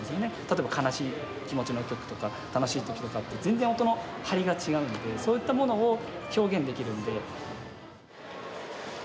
例えば悲しい気持ちの曲とか楽しい時とかって全然音の張りが違うんでそういったものを表現できるんで。